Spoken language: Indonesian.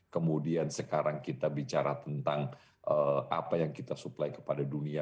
kemudian sekarang kita bicara tentang apa yang kita supply kepada dunia